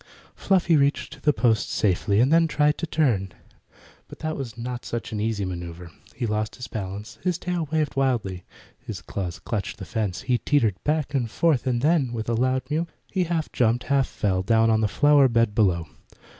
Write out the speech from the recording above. Fluffy reached the post safely, and then tried to turn. But that was not such an easy matter. He lost his balance. His tail waved wildly. His claws clutched the fence. He teetered back and forth, and then, with a loud mew, he half jumped, half fell, down on the flower bed below.